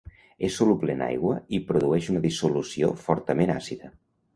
És soluble en aigua i produeix una dissolució fortament àcida.